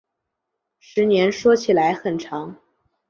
十年说起来很长